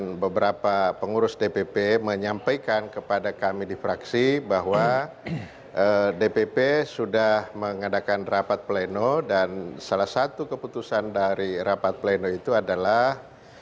dan beberapa pengurus dpp menyampaikan kepada kami di fraksi bahwa dpp sudah mengadakan rapat pleno dan salah satu keputusan dari rapat pleno itu adalah